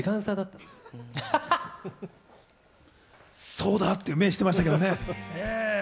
そうだ！っていう目をしてましたけどね。